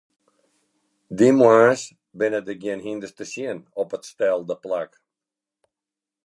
Dy moarns binne der gjin hynders te sjen op it stelde plak.